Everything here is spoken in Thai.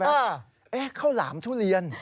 เอ๊ะข้าวหลามทุเรียน